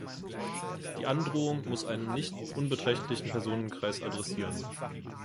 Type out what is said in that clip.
Die Androhung muss einen nicht unbeträchtlichen Personenkreis adressieren.